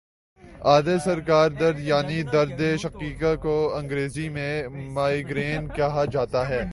آدھے سر کا درد یعنی دردِ شقیقہ کو انگریزی میں مائیگرین کہا جاتا ہے